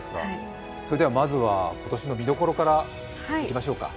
まずは今年の見どころからいきましょうか。